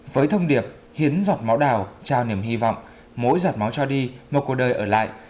với thông điệp hiến giọt máu đào trao niềm hy vọng mỗi giọt máu cho đi một cuộc đời ở lại